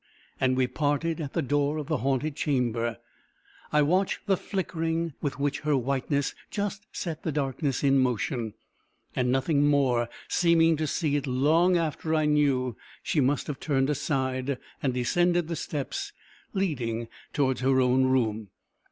And we parted at the door of the haunted chamber. I watched the flickering with which her whiteness just set the darkness in motion, and nothing more, seeming to see it long after I knew she must have turned aside and descended the steps leading towards her own room.